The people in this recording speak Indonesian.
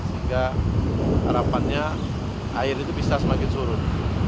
sehingga harapannya air itu bisa semakin surut